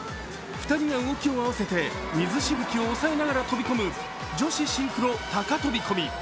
２人が動きを合わせて水しぶきを抑えながら飛び込む女子シンクロ高飛び込み。